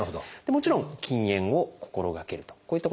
もちろん禁煙を心がけるとこういったことがあります。